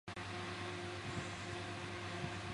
钱我以后一定会还你的